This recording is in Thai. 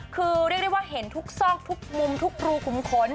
คือเรียกได้ว่าเห็นทุกซอกทุกมุมทุกรูขุมขน